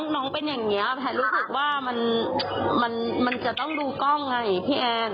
น้องเป็นอย่างนี้แพทย์รู้สึกว่ามันจะต้องดูกล้องไงพี่แอน